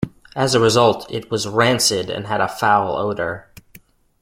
As a result, it was rancid and had a foul odor.